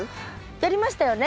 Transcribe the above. やりましたよね